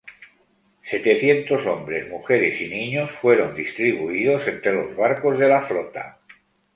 Setecientos hombres, mujeres y niños fueron distribuidos entre los barcos de la flota.